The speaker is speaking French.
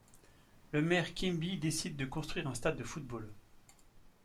Le maire Quimby décide de construire un stade de football.